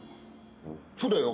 そうだよ。